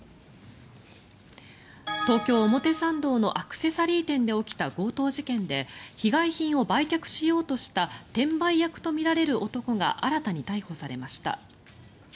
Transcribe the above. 東京・表参道のアクセサリー店で起きた強盗事件で被害品を売却しようとした転売役とみられる男が新たに逮捕されました。